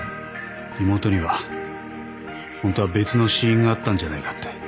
妹には本当は別の死因があったんじゃないかって。